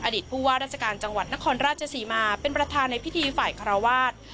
ผู้ว่าราชการจังหวัดนครราชศรีมาเป็นประธานในพิธีฝ่ายคาราวาส